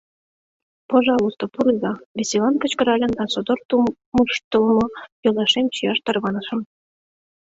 — Пожалуйста, пурыза! — веселан кычкыральым да содор тумыштылмо йолашем чияш тарванышым.